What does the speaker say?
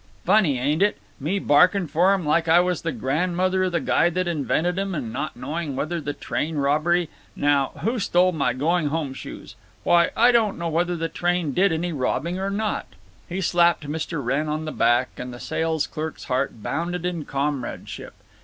Funny, ain't it?—me barking for 'em like I was the grandmother of the guy that invented 'em, and not knowing whether the train robbery—Now who stole my going home shoes?… Why, I don't know whether the train did any robbing or not!" He slapped Mr. Wrenn on the back, and the sales clerk's heart bounded in comradeship.